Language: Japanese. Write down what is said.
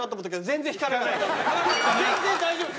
全然大丈夫。